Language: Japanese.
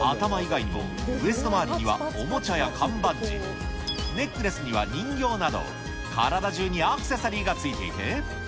るきゅさん、頭以外にもウエスト回りにはおもちゃや缶バッジ、ネックレスには人形など、体じゅうにアクセサリーがついていて。